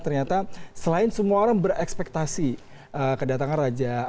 ternyata selain semua orang berekspektasi kedatangan raja arab ke indonesia